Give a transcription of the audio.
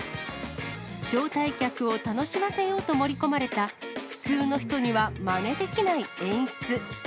招待客を楽しませようと盛り込まれた、普通の人にはまねできない演出。